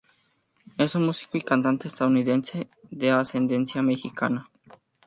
Es un músico y cantante estadounidense de ascendencia mexicana.